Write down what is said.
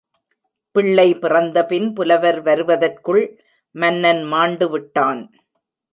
பிள்ளை பிறந்தபின் புலவர் வருவதற்குள், மன்னன் மாண்டுவிட்டான்.